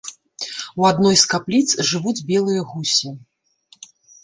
У адной з капліц жывуць белыя гусі.